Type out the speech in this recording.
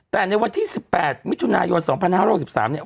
แต่ในวันที่๑๘มิถุนายน๒๕๖๓เนี่ย